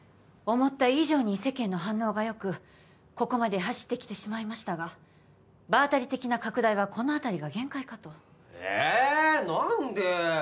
思った以上に世間の反応がよくここまで走ってきてしまいましたが場当たり的な拡大はこの辺りが限界かとえ何で？